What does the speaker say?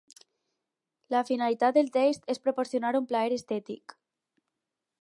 La finalitat del text és proporcionar un plaer estètic.